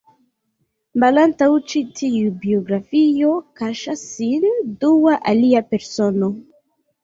Malantaŭ ĉi-tiu biografio kaŝas sin dua, alia persono.